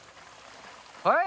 はい？